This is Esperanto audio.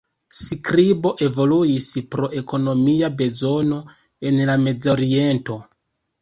Skribo evoluis pro ekonomia bezono en la Mezoriento.